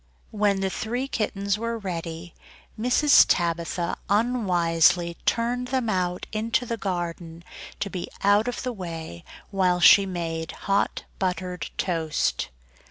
When the three kittens were ready, Mrs. Tabitha unwisely turned them out into the garden, to be out of the way while she made hot buttered toast.